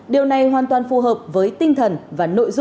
điều này hoàn toàn phù hợp với tinh thần